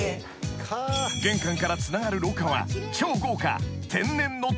［玄関からつながる廊下は超豪華］